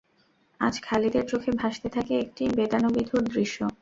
আজ খালিদের চোখে ভাসতে থাকে একটি বেদনাবিধুর দৃশ্য।